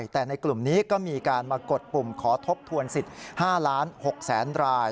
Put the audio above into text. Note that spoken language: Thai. แต่ในกลุ่มนี้ก็มีการมากดปุ่มขอทบทวนสิทธิ์๕๖๐๐๐ราย